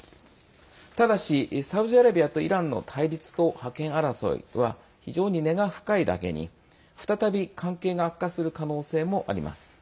ただし、サウジアラビアとイランの対立と覇権争いは非常に根が深いだけに再び関係が悪化する可能性もあります。